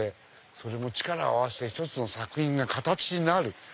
それも力を合わせて１つの作品が形になる。